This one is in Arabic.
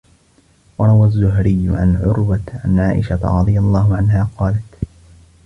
وَرَوَى الزُّهْرِيُّ عَنْ عُرْوَةَ عَنْ عَائِشَةَ رَضِيَ اللَّهُ عَنْهَا قَالَتْ